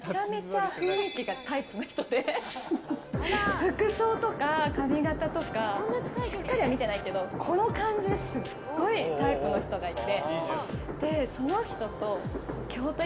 服装とか、髪形とかしっかりは見てないけどこの感じすっごいタイプの人がいて。